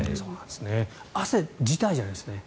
汗自体じゃないんですね